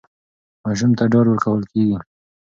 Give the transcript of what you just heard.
ماشوم ته ډاډ ورکول کېږي.